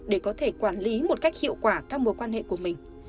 để có thể quản lý một cách hiệu quả các mối quan hệ của mình